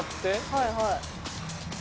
はいはい。